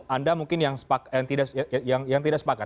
anda mungkin yang tidak sepakat